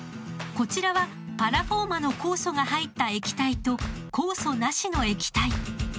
こちらはパラフォーマの酵素が入った液体と酵素なしの液体。